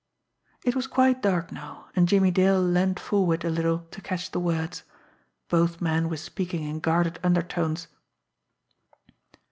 It was quite dark now, and Jimmie Dale leaned forward a little to catch the words. Both men were speaking in guarded undertones.